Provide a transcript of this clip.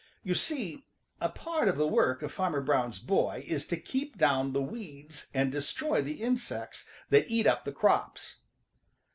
You see, a part of the work of Farmer Brown's boy is to keep down the weeds and destroy the insects that eat up the crops.